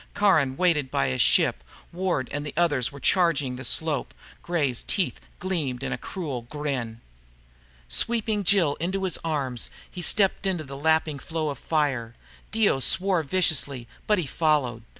Caron waited by his ship. Ward and the others were charging the slope. Gray's teeth gleamed in a cruel grin. Sweeping Jill into his arms, he stepped into the lapping flow of fire. Dio swore viciously, but he followed.